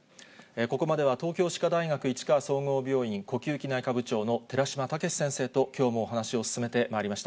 ここまでは東京歯科大学市川総合病院、呼吸器内科部長の寺嶋毅先生と、きょうもお話を進めてまいりました。